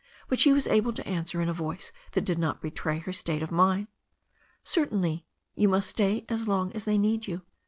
But she was able to answer in a voice that did not betray her state of mind: "Certainly. You must stay as long as they need you."